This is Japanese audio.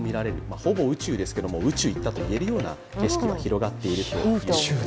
ほぼ宇宙ですけれども、宇宙に行ったと言えるような景色が広がっていると。